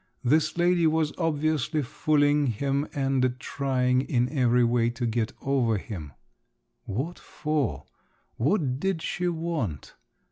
This lady was obviously fooling him, and trying in every way to get over him … what for? what did she want?